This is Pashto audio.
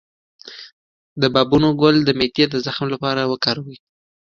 د بابونه ګل د معدې د زخم لپاره وکاروئ